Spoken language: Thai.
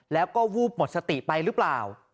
แล้วก็วูบหมดสติไปหรือเปล่า